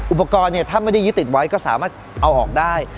อุปกรณ์ถ้าไม่ได้ยึดติดไว้ก็สามารถเอาออกได้